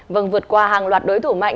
vâng vượt qua hàng loạt đối thủ mạnh